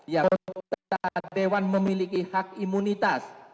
yang dewan memiliki hak imunitas